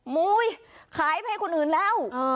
มุยขายไปให้คนอื่นแล้ว